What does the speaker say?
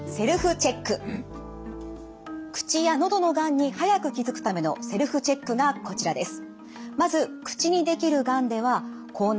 口や喉のがんに早く気付くためのセルフチェックがこちらです。